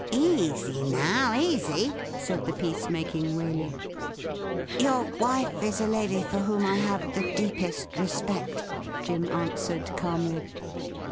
'Easy now, easy !' said the peace making Waley. 'Your wife is a lady for whom I have the deepest respect,' Jim answered calmly.